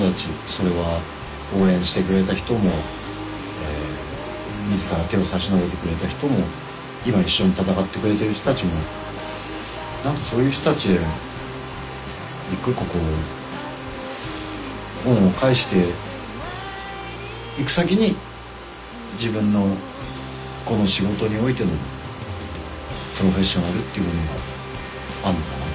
それは応援してくれた人も自ら手を差し伸べてくれた人も今一緒に闘ってくれている人たちもなんかそういう人たちへ一個一個こう恩を返していく先に自分のこの仕事においてのプロフェッショナルっていうものがあるのかな。